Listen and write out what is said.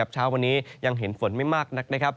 เช้าวันนี้ยังเห็นฝนไม่มากนัก